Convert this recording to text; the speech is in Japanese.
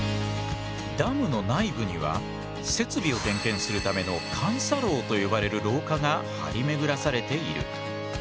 ダムの内部には設備を点検するための監査廊と呼ばれる廊下が張り巡らされている。